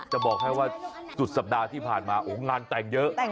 จะบอกให้ว่าสุดสัปดาห์ที่ผ่านมาโอ้งานแต่งเยอะ